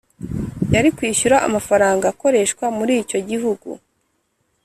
yari kwishyura amafaranga akoreshwa muri icyo gihugu